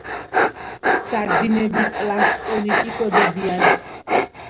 სარდინები პლანქტონით იკვებებიან.